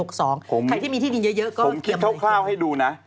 ใครที่มีที่ดินเยอะก็เกี่ยวใหม่ค่ะคุณไทยผมคิดคร่าวให้ดูนะ